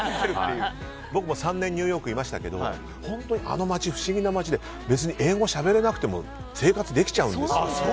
僕も３年ニューヨークにいましたけどあの街、不思議な街で別に英語がしゃべれなくても生活できちゃうんです。